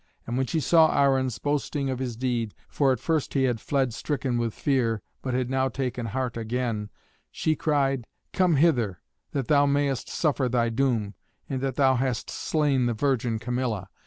And when she saw Arruns boasting of his deed for at first he had fled stricken with fear, but had now taken heart again she cried, "Come hither, that thou mayest suffer thy doom, in that thou hast slain the virgin Camilla."